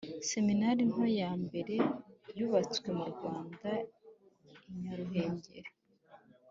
Seminari nto yambere yubatswe mu Rwanda, i Nyaruhengeri